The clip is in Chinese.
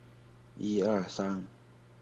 郑君炽生于香港。